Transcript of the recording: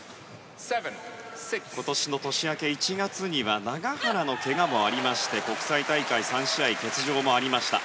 今年の年明け１月には永原のけがもありまして国際大会３試合欠場もありました。